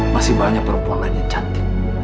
masih banyak perempuan lain yang cantik